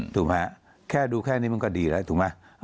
ถูกไหมแค่ดูแค่นี้มันก็ดีแล้วถูกไหม